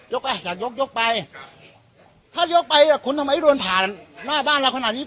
อยากยกยกไปถ้ายกไปอ่ะคุณทำไมไม่เดินผ่านหน้าบ้านเราขนาดนี้